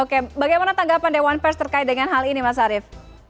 oke bagaimana tanggapan dewan pers terkait dengan hal ini mas arief